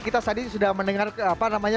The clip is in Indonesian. kita tadi sudah mendengar apa namanya